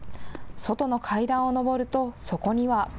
外の階段を上るとそこには。